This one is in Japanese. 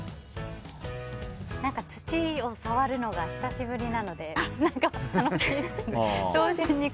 土を触るのが久しぶりなので何か楽しいですね。